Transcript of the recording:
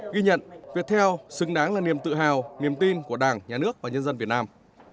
ghi nhận việt theo xứng đáng là niềm tự hào niềm tin của đảng nhà nước và nhân dân việt nam